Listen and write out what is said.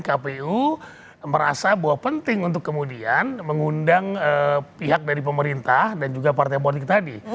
kpu merasa bahwa penting untuk kemudian mengundang pihak dari pemerintah dan juga partai politik tadi